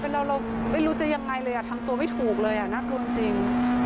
เป็นเราไม่รู้จะยังไงเลยทำตัวไม่ถูกเลยน่ากลัวจริง